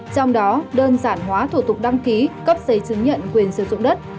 trong đó đơn giản hóa thủ tục đăng ký cấp giấy chứng nhận quyền sử dụng đất